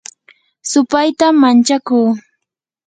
supaytam manchakuu